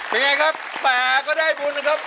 เปลี่ยงไงครับแปลก็ได้บุญนะครับ